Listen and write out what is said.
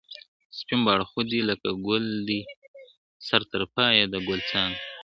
سپین باړخو دی لکه گل دی سر تر پایه د گل څانگه ,